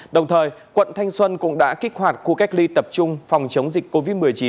đồng thời quận thanh xuân cũng đã kích hoạt khu cách ly tập trung phòng chống dịch covid một mươi chín